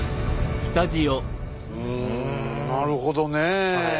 うんなるほどねえ。